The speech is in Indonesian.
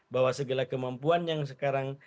bahwa segala kemampuan yang sekarang